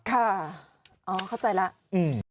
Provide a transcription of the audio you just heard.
ค่ะอ๋อเข้าใจแล้ว